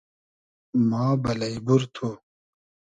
ما بئلݷ بور تو